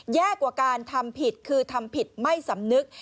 แย่กว่าการทำผิดคือทำผิดไม่สำนึก